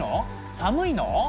寒いの？